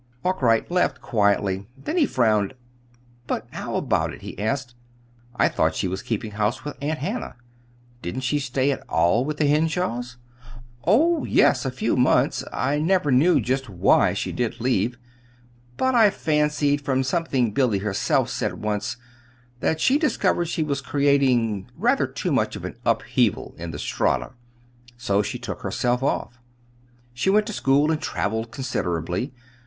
Arkwright laughed quietly; then he frowned. "But how about it?" he asked. "I thought she was keeping house with Aunt Hannah. Didn't she stay at all with the Henshaws?" "Oh, yes, a few months. I never knew just why she did leave, but I fancied, from something Billy herself said once, that she discovered she was creating rather too much of an upheaval in the Strata. So she took herself off. She went to school, and travelled considerably.